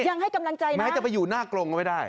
ยังให้กำลังใจนะไม่ให้จะไปอยู่หน้ากลงไว้ได้